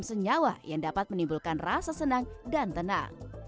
sebuah senyawa yang dapat menimbulkan rasa senang dan tenang